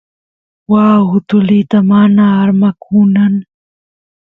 waa utulita mana armakunan